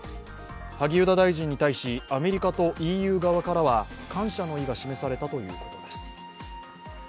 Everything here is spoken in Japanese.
萩生田大臣に対し、アメリカとＥＵ側からは感謝の意が示されたということです。